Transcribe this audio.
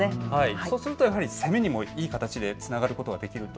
そうするとやはり攻めにもいい形につながることができると。